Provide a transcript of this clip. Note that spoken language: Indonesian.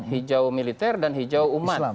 hijau militer dan hijau umat